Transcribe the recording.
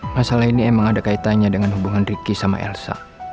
masalah ini emang ada kaitannya dengan hubungan ricky sama elsa